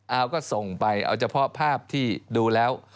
เอาก็ส่งไปเอาเฉพาะภาพที่ดูแล้ว